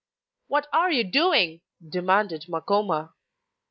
'What are you doing?' demanded Makoma.